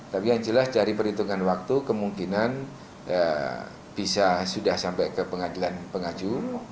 tapi yang jelas dari perhitungan waktu kemungkinan bisa sudah sampai ke pengadilan pengaju